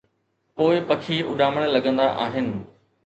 پوءِ پکي اُڏامڻ لڳندا آهن.